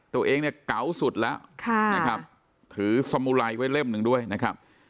ตัวเองเนี่ยเก๋าสุดแล้วนะครับถือสมุไรไว้เล่มหนึ่งด้วยนะครับ